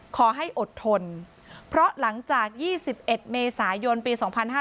ขอให้อดทนเพราะหลังจาก๒๑เมษายนปี๒๕๕๙